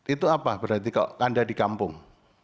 itu apa berarti kalau anda di kampung